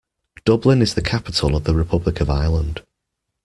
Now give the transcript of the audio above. Dublin is the capital of the Republic of Ireland.